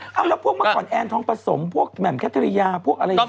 อืมเอาแล้วพวกมะกว่ายแอนทองประสมพวกแม่งแคตรียาพวกอะไรกัน